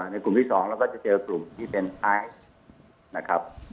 ในกลุ่มที่๒เราก็จะเจอกลุ่มที่เป็นไอซ์นะครับ